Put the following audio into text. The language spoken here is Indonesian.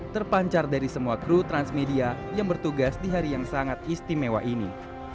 terpancar dari semua kru transmedia yang bertugas di hari yang sangat istimewa ini